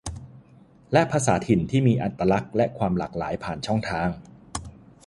และภาษาถิ่นที่มีอัตลักษณ์และความหลากหลายผ่านช่องทาง